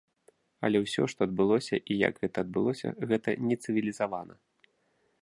Але ўсё, што адбылося і як гэта адбылося,— гэта не цывілізавана.